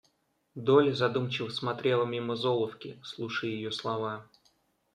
Долли задумчиво смотрела мимо золовки, слушая ее слова.